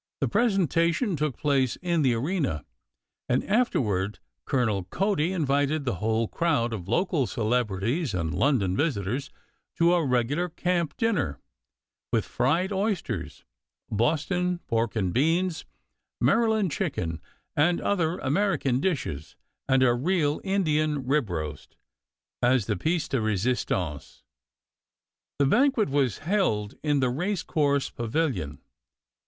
The presentation took place in the arena, and afterward Colonel Cody invited the whole crowd of local celebrities and London visitors to a regular camp dinner, with fried oysters, Boston pork and beans, Maryland chicken, and other American dishes, and a real Indian "rib roast" as the piece de resistance. The banquet was held in the race course pavilion.